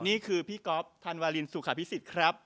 นี่คือพี่ก๊อฟทานวาลินสุขภิษฐ์ครับ